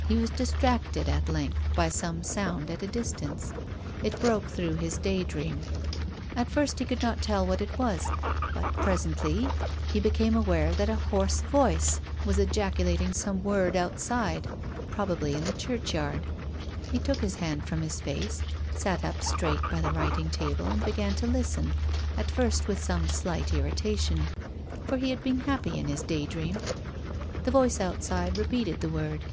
He was distracted at length by some sound at a distance. It broke through his day dream. At first he could not tell what it was, but presently he became aware that a hoarse voice was cjacu I06 TONGUES OF CONSCIENCE. lating some word outside, probably in the church yard. He took his hand from his face, sat up straight by the writing table and began to listen, at first with some slight irritation. For he had been happy in his day dream. The voice outside repeated the word.